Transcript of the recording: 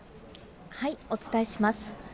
お伝えします。